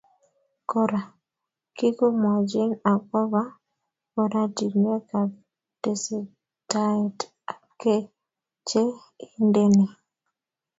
Kora, kikomwochin akoba oratinwek ab tesetaet ab kei che indeni